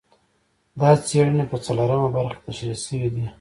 دا څېړنې په څلورمه برخه کې تشرېح شوي دي.